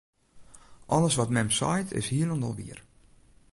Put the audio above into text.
Alles wat mem seit, is hielendal wier.